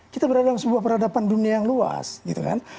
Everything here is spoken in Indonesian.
kita berada dalam sebuah peradaban dunia yang luas gitu kan